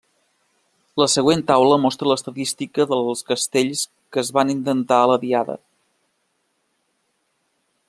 La següent taula mostra l'estadística dels castells que es van intentar a la diada.